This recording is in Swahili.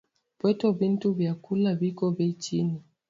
Pweto bintu na biakula biko bei chini